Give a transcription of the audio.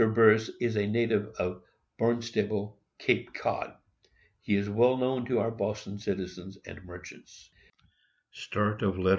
Bearse is a native of Barnstable, Cape Cod. He is well known to our Boston citizens and merchants.